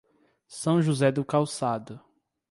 São José do Calçado